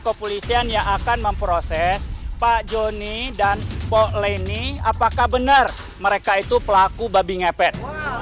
kepolisian yang akan memproses pak joni dan poleni apakah benar mereka itu pelaku babi ngepet